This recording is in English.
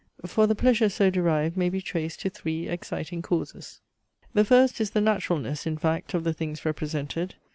For the pleasure so derived may be traced to three exciting causes. The first is the naturalness, in fact, of the things represented.